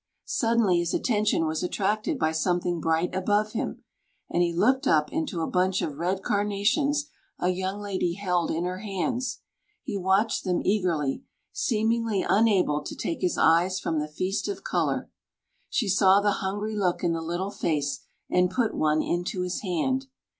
Suddenly his attention was attracted by something bright above him, and he looked up into a bunch of red carnations a young lady held in her hands. He watched them eagerly, seemingly unable to take his eyes from the feast of colour. She saw the hungry look in the little face, and put one into his hand.